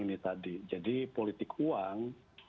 ini tadi jadi politik uang